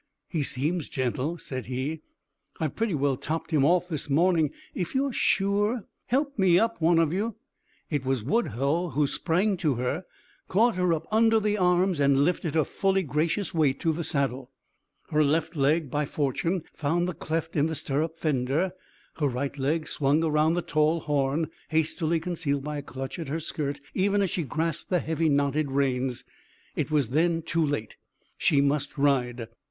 "He seems gentle," said he. "I've pretty well topped him off this morning. If you're sure " "Help me up, one of you?" It was Woodhull who sprang to her, caught her up under the arms and lifted her fully gracious weight to the saddle. Her left foot by fortune found the cleft in the stirrup fender, her right leg swung around the tall horn, hastily concealed by a clutch at her skirt even as she grasped the heavy knotted reins. It was then too late. She must ride.